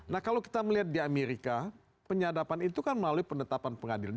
nah kalau kita melihat di amerika penyadapan itu kan melalui penetapan pengadilan